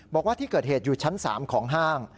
บอกว่าที่เกิดเหตุอยู่ชั้น๓ของห้าง